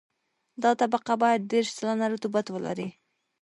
دا طبقه باید دېرش سلنه رطوبت ولري